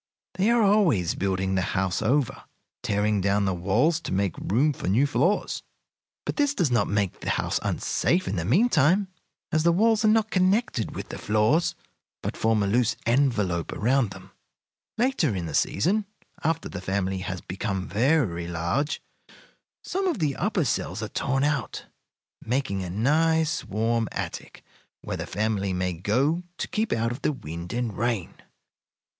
They are always building the house over, tearing down the walls to make room for new floors; but this does not make the house unsafe in the mean time, as the walls are not connected with the floors, but form a loose envelope about them. "Later in the season, after the family has become very large, some of the upper cells are torn out, making a nice, warm attic, where the family may go to keep out of the wind and rain.